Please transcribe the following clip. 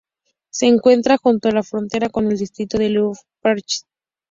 Se encuentra junto a la frontera con el distrito de Ludwigslust-Parchim.